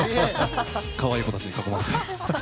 可愛い子たちに囲まれて。